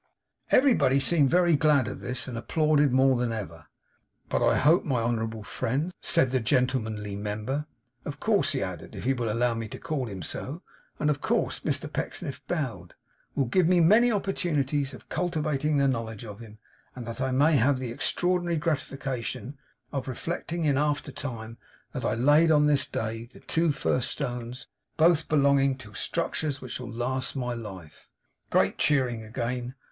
Everybody seemed very glad of this, and applauded more than ever. 'But I hope my Honourable Friend,' said the Gentlemanly member of course he added "if he will allow me to call him so," and of course Mr Pecksniff bowed 'will give me many opportunities of cultivating the knowledge of him; and that I may have the extraordinary gratification of reflecting in after time that I laid on this day two first stones, both belonging to structures which shall last my life!' Great cheering again.